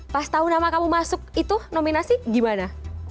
pas tahu nama kamu masuk itu nominasi gimana